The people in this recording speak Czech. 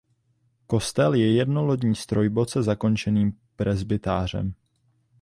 Kostel je jednolodní s trojboce zakončeným presbytářem.